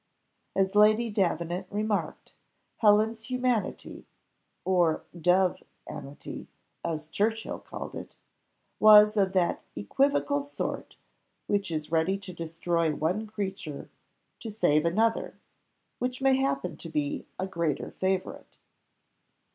As Lady Davenant remarked, Helen's humanity (or dove anity, as Churchill called it,) was of that equivocal sort which is ready to destroy one creature to save another which may happen to be a greater favourite.